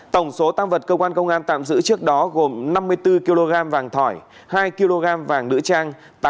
tổng số tăng vật cơ quan công an tạm giữ trước đó gồm năm mươi bốn kg vàng thỏi hai kg vàng nữ trang